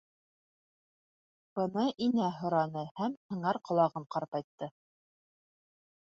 — Быны Инә һораны һәм һыңар ҡолағын ҡарпайтты.